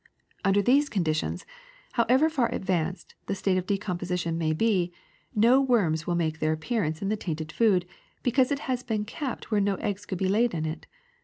Under these con ditions, however far advanced the state of decompo sition may be, no worms will make their appearance in the tainted food, because it has been kept where no eggs could be laid in it.